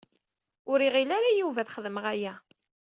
Ur iɣil ara Yuba ad xedmeɣ aya.